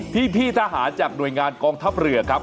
พี่ทหารจากหน่วยงานกองทัพเรือครับ